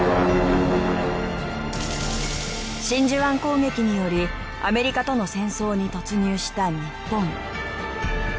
真珠湾攻撃によりアメリカとの戦争に突入した日本。